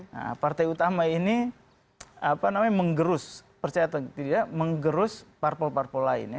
nah partai utama ini apa namanya menggerus percaya atau tidak menggerus parpol parpol lain ya